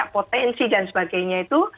potensi dan sebagainya itu